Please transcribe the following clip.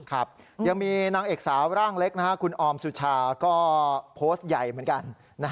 ครับยังมีนางเอกสาวร่างเล็กคุณออมสุชาก็โพสต์ใหญ่เหมือนกัน